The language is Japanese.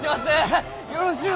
よろしゅう